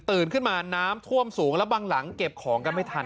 ขึ้นมาน้ำท่วมสูงแล้วบางหลังเก็บของกันไม่ทัน